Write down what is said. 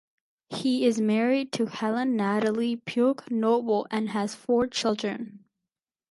He is married to Helen Natalie Pugh Noble and has four children.